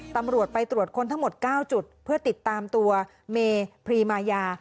ตำรวจไปตรวจค้นทั้งหมด๙จุดเพื่อติดตามตัวเมพรีมายา